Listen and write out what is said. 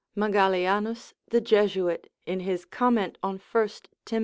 Magallianus, the Jesuit, in his Comment on 1 Tim.